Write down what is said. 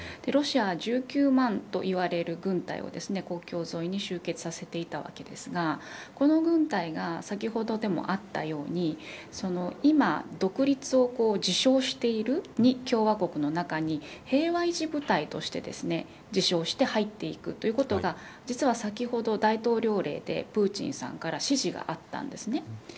ロシアは１９万といわれる軍隊を国境沿いに集結させていたわけですがこの軍隊が先ほどでもあったように今、独立を自称している２共和国の中に平和維持部隊として自称して入ってくることが実は、先ほど大統領令でプーチンさんから指示があったんですね。